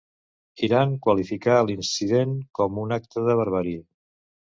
Iran qualificà l'incident com un acte de barbàrie.